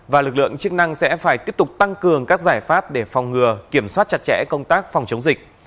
và lực lượng chức năng sẽ phải tiếp tục tăng cường các giải pháp để phòng ngừa kiểm soát chặt chẽ công tác phòng chống dịch